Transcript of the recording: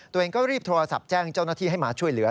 ตัวเองก็รีบโทรศัพท์แจ้งเจ้าหน้าที่ให้มาช่วยเหลือ